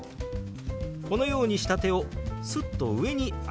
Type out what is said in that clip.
このようにした手をすっと上に上げます。